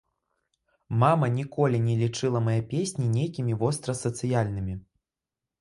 Мама ніколі не лічыла мае песні нейкімі вострасацыяльнымі.